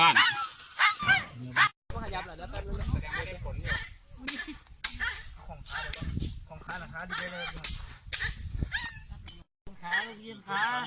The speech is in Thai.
สวัสดีครับ